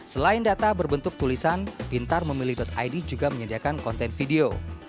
selain data berbentuk tulisan pintarmemilih id juga menyediakan konten video